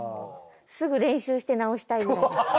すぐ練習して直したいぐらいです。